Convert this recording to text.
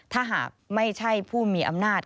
ถ้าหากไม่ใช่ผู้มีอำนาจ